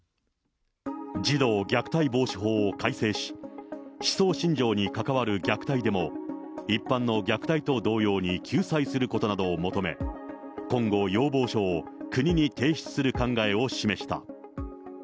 児童虐待防止法を改正し、思想信条に関わる虐待でも、一般の虐待と同様に救済することなどを求め、今後、要望書を国に提出する考えを示した。